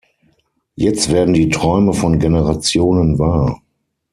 Jetzt werden die Träume von Generationen wahr.